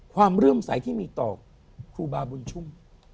ความเรื่องใสที่มีต่อครูบาวมุญชุ่ม